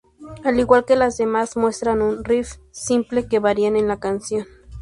Al igual que las demás muestra un riff simple que varía en la canción.